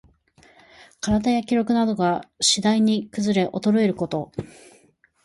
身体や気力などが、しだいにくずれおとろえること。